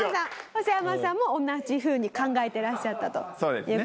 ホソヤマさんも同じふうに考えてらっしゃったという事ですね。